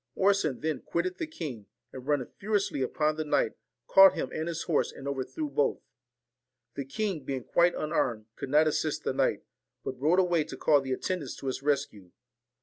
Orson then quitted the king, and, running furiously upon the knight, caught him and his horse and overthrew both. The king, being quite unarmed, could not assist the knight, but rode away to call the attendants to his rescue.